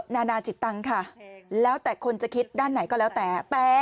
นานาจิตตังค่ะแล้วแต่คนจะคิดด้านไหนก็แล้วแต่